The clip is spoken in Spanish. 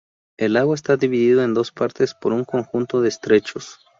El lago está dividido en dos partes por un conjunto de estrechos.